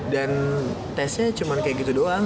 dan testnya cuman kayak gitu doang